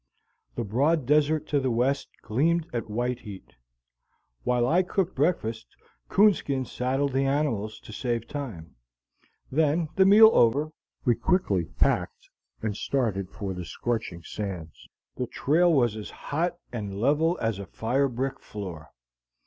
The broad desert to the west gleamed at white heat. While I cooked breakfast, Coonskin saddled the animals, to save time; then, the meal over, we quickly packed and started for the scorching sands. The trail was as hot and level as a fire brick floor.